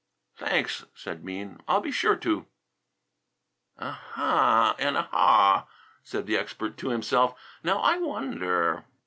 "Thanks!" said Bean. "I'll be sure to." "Ah ha, and ah ha!" said the expert to himself. "Now I wonder."